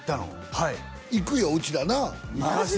はい行くようちらなあマジで？